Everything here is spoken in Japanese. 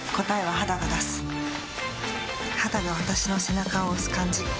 肌が私の背中を押す感じ。